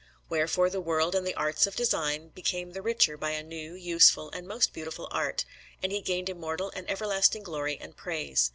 Wherefore the world and the arts of design became the richer by a new, useful, and most beautiful art, and he gained immortal and everlasting glory and praise.